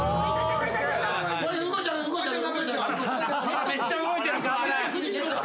めっちゃ動いてるぞ。